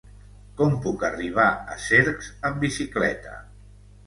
Com puc arribar a Cercs amb bicicleta?